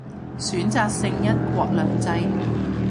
選擇性一國兩制